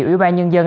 ủy ban nhân dân